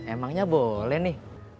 emangnya boleh nih